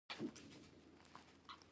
نه پوهېږم څه ووایم، ډېر خوشحال یم